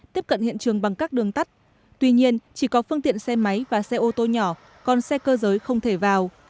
tiếp cận hiện trường bằng các đường tắt tuy nhiên chỉ có phương tiện xe máy và xe ô tô nhỏ còn xe cơ giới không thể vào